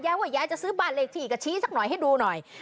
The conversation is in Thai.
ว่ายายจะซื้อบ้านเลขที่ก็ชี้สักหน่อยให้ดูหน่อย